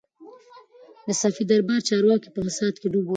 د صفوي دربار چارواکي په فساد کي ډوب ول.